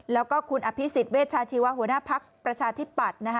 แล้วก็คุณอภิษฎเวชาชีวะหัวหน้าภักดิ์ประชาธิปัตย์